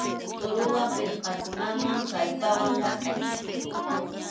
Tʼuruwan pirqakunaman kallpawan laqʼay.